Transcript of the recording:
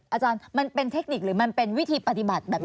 อาจารย์มันเป็นเทคนิคหรือมันเป็นวิธีปฏิบัติแบบนี้